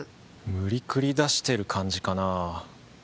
無理くり出してる感じかなぁ